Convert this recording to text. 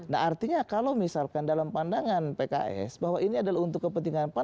nah artinya kalau misalkan dalam pandangan pks bahwa ini adalah untuk kepentingan pan